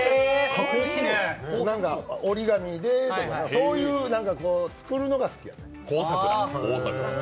なんか、折り紙でとか、そういう作るのが好き。